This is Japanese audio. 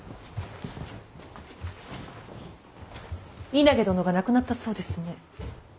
稲毛殿が亡くなったそうですね。